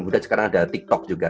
dan sekarang ada tiktok juga